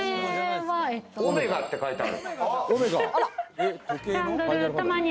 オメガって書いてある。